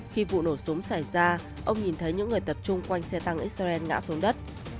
khi vụ nổ súng xảy ra ông nhìn thấy những người tập trung quanh xe tăng israel ngã xuống đất